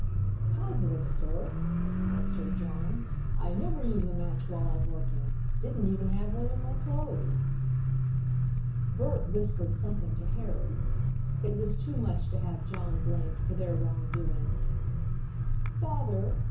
"Positive, sir!" answered John. "I never use a match while I'm working. Didn't even have one in my clothes." Bert whispered something to Harry. It was too much to have John blamed for their wrongdoing. "Father!"